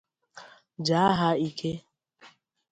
jaa ha ike.